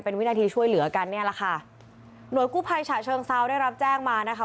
เป็นวินาทีช่วยเหลือกันเนี่ยแหละค่ะหน่วยกู้ภัยฉะเชิงเซาได้รับแจ้งมานะคะ